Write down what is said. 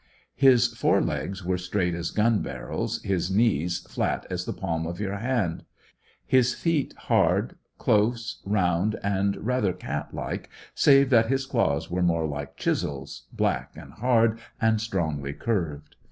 His fore legs were straight as gun barrels, his knees flat as the palm of your hand; his feet hard, close, round, and rather cat like, save that his claws were more like chisels, black, and hard, and strongly curved.